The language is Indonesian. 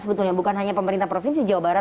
sebetulnya bukan hanya pemerintah provinsi jawa barat